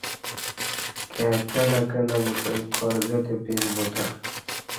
کای کہ لکہ نہ بوتہ کار گہ تے پیس بوتہ